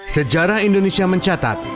sejarah indonesia mencatat